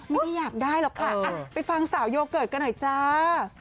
ไม่ได้อยากได้หรอกค่ะไปฟังสาวโยเกิร์ตกันหน่อยจ้า